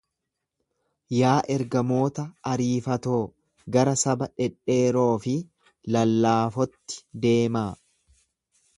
Yaa ergamoota ariifatoo, gara saba dhedheeroo fi lallaafotti deemaa.